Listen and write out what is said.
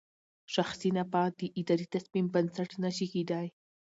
شخصي نفعه د اداري تصمیم بنسټ نه شي کېدای.